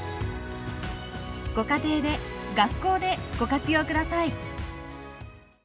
ご家庭で学校でご活用ください。